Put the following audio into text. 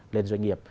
lên doanh nghiệp